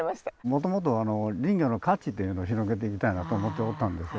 もともと林業の価値というの広げていきたいなと思っておったんですよ。